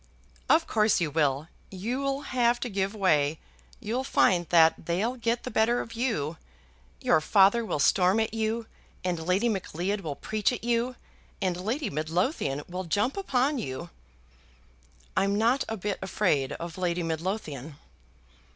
"Of course you will. You'll have to give way. You'll find that they'll get the better of you. Your father will storm at you, and Lady Macleod will preach at you, and Lady Midlothian will jump upon you." "I'm not a bit afraid of Lady Midlothian."